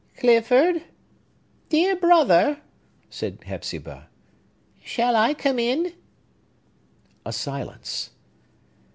"Clifford! Dear brother!" said Hepzibah. "Shall I come in?" A silence.